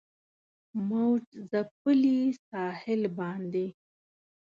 موج ځپلي ساحل باندې